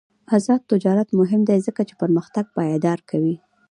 آزاد تجارت مهم دی ځکه چې پرمختګ پایداره کوي.